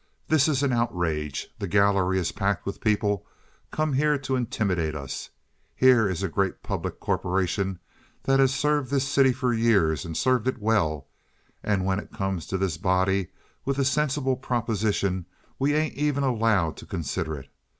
"This is an outrage. The gallery is packed with people come here to intimidate us. Here is a great public corporation that has served this city for years, and served it well, and when it comes to this body with a sensible proposition we ain't even allowed to consider it.